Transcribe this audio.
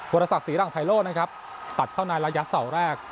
บริษัทศรีรังไพโลนะครับตัดเข้าในระยะเสาแรก